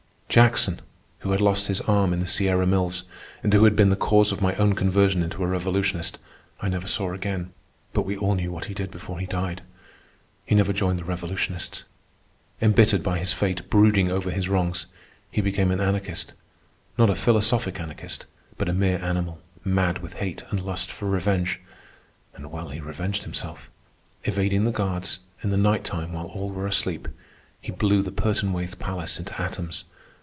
Jackson, who had lost his arm in the Sierra Mills and who had been the cause of my own conversion into a revolutionist, I never saw again; but we all knew what he did before he died. He never joined the revolutionists. Embittered by his fate, brooding over his wrongs, he became an anarchist—not a philosophic anarchist, but a mere animal, mad with hate and lust for revenge. And well he revenged himself. Evading the guards, in the nighttime while all were asleep, he blew the Pertonwaithe palace into atoms.